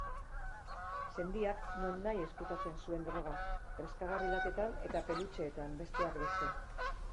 Sendiak nonahi ezkutatzen zuen droga, freskagarri-latetan eta pelutxeetan, besteak beste.